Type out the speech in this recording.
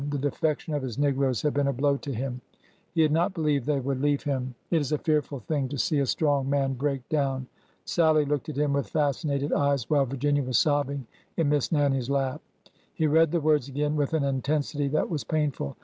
The defection of his negroes had been a blow to him. He had not believed they would 288 ORDER NO. 11 leave him. It is a fearful thing to see a strong man break down. Sallie looked at him with fascinated eyes, while Virginia was sobbing in Miss Nannie's lap. He read the words again with an intensity that was painful.